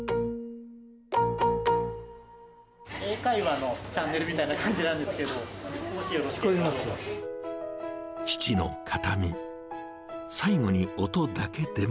英会話のチャンネルみたいな感じなんですけど、もしよろしければ。